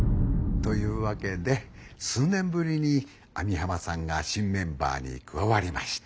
というわけで数年ぶりに網浜さんが新メンバーに加わりました。